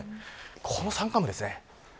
この山間部ですね。